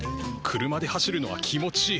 車で走るのは気持ちいい。